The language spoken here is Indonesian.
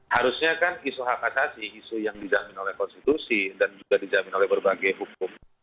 harusnya kan isu hak asasi isu yang dijamin oleh konstitusi dan juga dijamin oleh berbagai hukum